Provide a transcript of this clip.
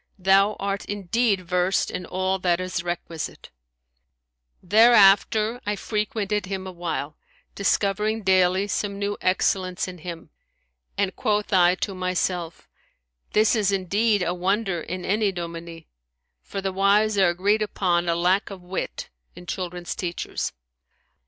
Thou art indeed versed in all that is requisite,' thereafter I frequented him a while, discovering daily some new excellence in him, and quoth I to myself, This is indeed a wonder in any dominie; for the wise are agreed upon a lack of wit in children's teachers.'